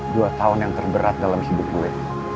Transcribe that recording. dua tahun yang terberat dalam hidup kulit